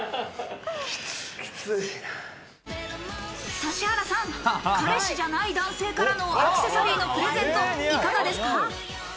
指原さん、彼氏じゃない男性からのアクセサリーのプレゼント、いかがですか？